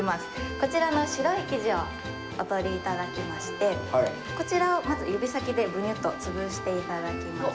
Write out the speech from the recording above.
こちらの白い生地をお取りいただきましてこちらをまず指先でグニュッと潰していただきます。